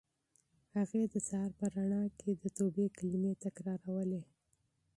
هغې د سهار په رڼا کې د توبې کلمې تکرارولې.